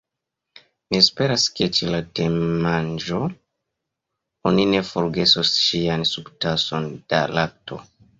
"Mi esperas ke ĉe la temanĝo oni ne forgesos ŝian subtason da lakto.